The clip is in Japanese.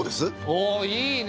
おおいいね。